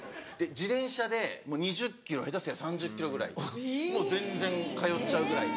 自転車で２０ｋｍ下手すりゃ３０ｋｍぐらい全然通っちゃうぐらい。